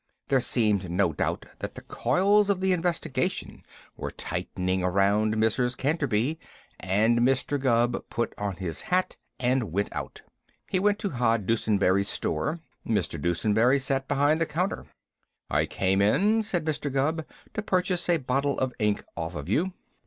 There seemed no doubt that the coils of the investigation were tightening around Mrs. Canterby, and Mr. Gubb put on his hat and went out. He went to Hod Dusenberry's store. Mr. Dusenberry sat behind the counter. "I came in," said Mr. Gubb, "to purchase a bottle of ink off of you."